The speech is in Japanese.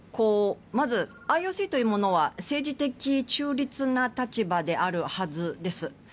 まず、ＩＯＣというものは政治的に中立な立場であるはずです。